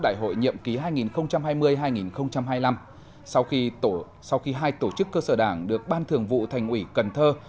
đại hội nhiệm ký hai nghìn hai mươi hai nghìn hai mươi năm sau khi hai tổ chức cơ sở đảng được ban thường vụ thành ủy cần thơ